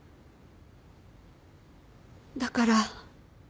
だから。